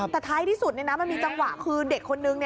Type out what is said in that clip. แต่ท้ายที่สุดมันมีจังหวะคือเด็กคนนึง